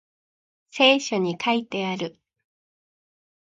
聖書に書いてある